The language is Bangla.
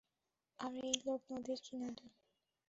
আর এই লোক নদীর কিনারে!